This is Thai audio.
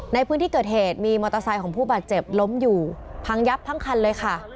ในพื้นที่เกิดเหตุมีมอเตอร์ไซค์ของผู้บาดเจ็บล้มอยู่พังยับทั้งคันเลยค่ะ